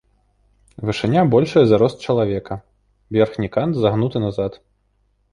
Вышыня большая за рост чалавека, верхні кант загнуты назад.